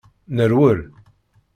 Nerwel.